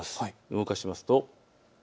動かしますと。